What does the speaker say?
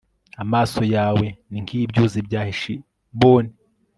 amaso yawe ni nk'ibyuzi bya heshiboni